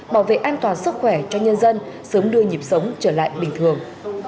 bảo vệ an toàn sức khỏe cho nhân dân sớm đưa nhịp sống trở lại bình thường